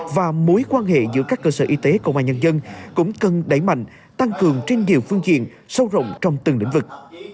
và mối quan hệ giữa các cơ sở y tế công an nhân dân cũng cần đẩy mạnh tăng cường trên nhiều phương diện sâu rộng trong từng lĩnh vực